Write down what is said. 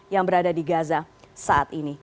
yang berada di gaza saat ini